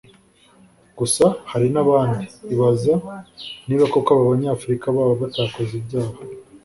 Gusa hari n’abandi ibaza niba koko aba Banyafurika baba batakoze ibyaha